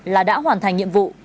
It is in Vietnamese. là đã hoàn thành nhiệm vụ